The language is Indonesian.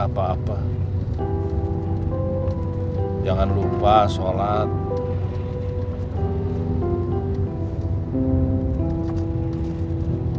ocupasikan buku hépat judicial yang harus dicetakkan oleh korea monitor ini